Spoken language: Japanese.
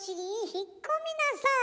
引っ込みなさい。